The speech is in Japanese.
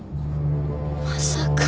まさか。